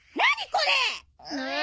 これ。